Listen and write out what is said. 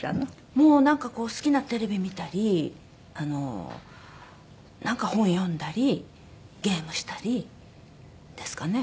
もうなんかこう好きなテレビ見たりあのなんか本を読んだりゲームしたりですかね。